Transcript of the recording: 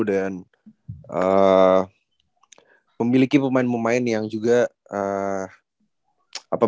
dan memiliki pemain pemain yang juga